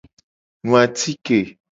Nu atike.